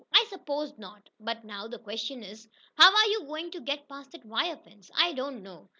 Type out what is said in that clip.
"I suppose not. But now the question is, How are you going to get past that wire fence?" "I don't know.